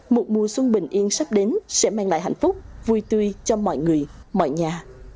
một mùa xuân bình yên sắp đến sẽ mang lại hạnh phúc vui tươi cho mọi người mọi nhà